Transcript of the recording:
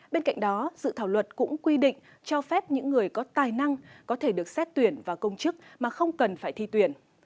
bên cạnh đó dự thảo luật cũng quy định cho phép những người có tài năng có thể được xét tuyển vào công chức mà không cần phải thi tuyển